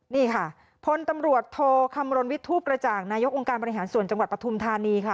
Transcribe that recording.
นี่ค่ะพลตำรวจโทคำรณวิทูปกระจ่างนายกองค์การบริหารส่วนจังหวัดปฐุมธานีค่ะ